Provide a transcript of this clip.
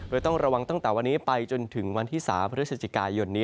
โดยต้องระวังตั้งแต่วันนี้ไปจนถึงวันที่๓พฤศจิกายนนี้